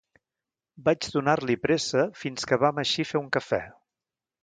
Vaig donar-li pressa fins que vam eixir a fer un café.